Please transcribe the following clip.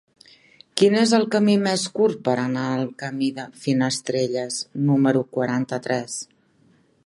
Quin és el camí més curt per anar al camí de Finestrelles número quaranta-tres?